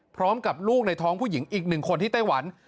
พร้อมกับลูกในท้องผู้หญิงอีกหนึ่งคนที่ไต้หวัน